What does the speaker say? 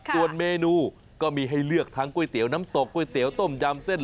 ส่วนเมนูก็มีให้เลือกทั้งก๋วยเตี๋ยวน้ำตกก๋วยเตี๋ยวต้มยำเส้น